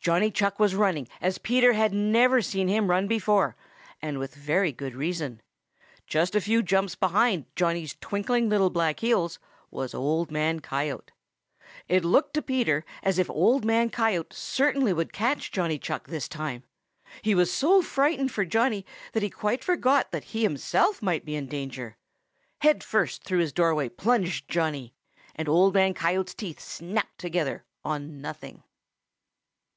Johnny Chuck was running as Peter never had seen him run before and with very good reason. Just a few jumps behind Johnny's twinkling little black heels was Old Man Coyote. It looked to Peter as if Old Man Coyote certainly would catch Johnny Chuck this time. He was so frightened for Johnny that he quite forgot that he himself might be in danger. Head first through his doorway plunged Johnny, and Old Man Coyote's teeth snapped together on nothing.